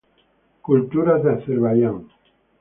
Cultura de Azerbaiyán